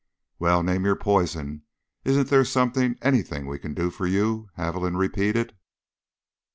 "Well, name your poison! Isn't there something, anything we can do for you?" Haviland repeated.